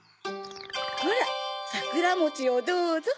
ほらさくらもちをどうぞ。